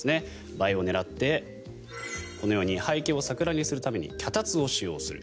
映えを狙って、このように背景を桜にするために脚立を使用する。